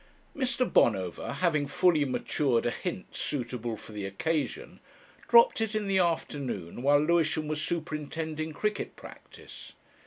Mr. Bonover, having fully matured a Hint suitable for the occasion, dropped it in the afternoon, while Lewisham was superintending cricket practice.